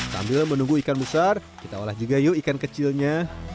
sambil menunggu ikan besar kita olah juga yuk ikan kecilnya